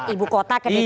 ibu kota ke dki